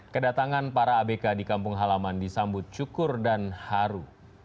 kedatangan para abk di kampung halaman disambut cukur dan haru